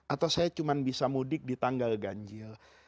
atau saya cuma bisa mudik di tanggal ganjil